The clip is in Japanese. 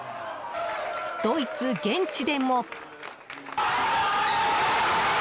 ドイツ現地でも。